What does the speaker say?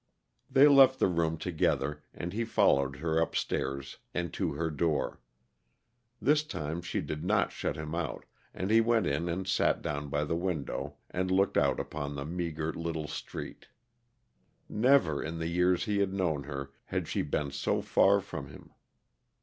They left the room together, and he followed her upstairs and to her door. This time she did not shut him out, and he went in and sat down by the window, and looked out upon the meager little street. Never, in the years he had known her, had she been so far from him.